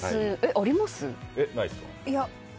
ありますか？